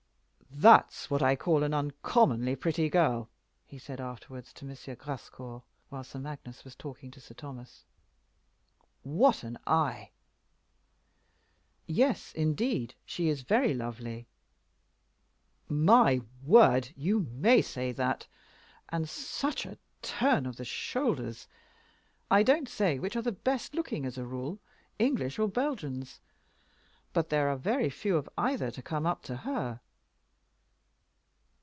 "That's what I call an uncommonly pretty girl," he said afterward to M. Grascour, while Sir Magnus was talking to Sir Thomas. "What an eye!" "Yes, indeed; she is very lovely." "My word, you may say that! And such a turn of the shoulders! I don't say which are the best looking, as a rule, English or Belgians, but there are very few of either to come up to her."